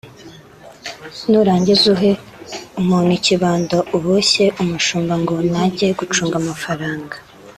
nurangiza uhe umuntu ikibando uboshye umushumba ngo najye gucunga amafaranga